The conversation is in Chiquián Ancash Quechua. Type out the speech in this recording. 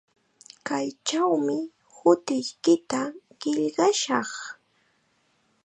Kaychawmi hutiykita qillqashaq.